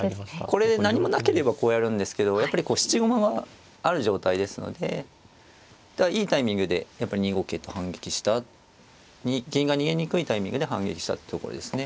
これ何もなければこうやるんですけどやっぱりこう質駒がある状態ですのでいいタイミングで２五桂と反撃した銀が逃げにくいタイミングで反撃したところですね。